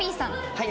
はい。